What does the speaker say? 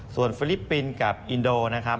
ส่วนฟิลิปปินส์กับอินโดนะครับ